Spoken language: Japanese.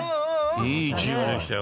いいチームでしたよ。